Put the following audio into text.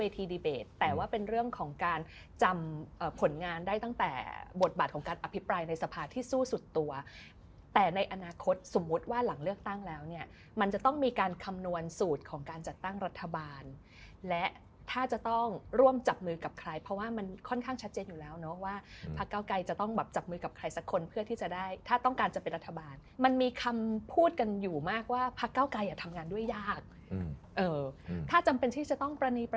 ทำผลงานได้ตั้งแต่บทบาทของการอภิปรายในสภาที่สู้สุดตัวแต่ในอนาคตสมมุติว่าหลังเลือกตั้งแล้วเนี่ยมันจะต้องมีการคำนวณสูตรของการจัดตั้งรัฐบาลและถ้าจะต้องร่วมจับมือกับใครเพราะว่ามันค่อนข้างชัดเจนอยู่แล้วเนาะว่าพระเก้าไกรจะต้องแบบจับมือกับใครสักคนเพื่อที่จะได้ถ้าต้องการจะเป็น